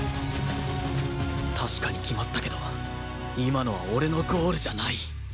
確かに決まったけど今のは俺のゴールじゃない